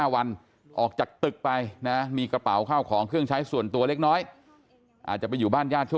วันออกจากตึกไปนะมีกระเป๋าข้าวของเครื่องใช้ส่วนตัวเล็กน้อยอาจจะไปอยู่บ้านญาติช่วง